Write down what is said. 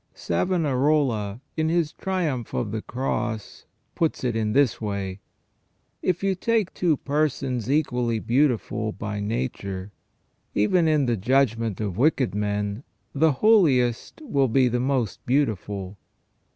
Savonarola, in his "Triumph of the Cross," puts it in this way : If you take two persons equally beautiful by nature, even in the judgment of wicked men, the holiest will be the most beautiful.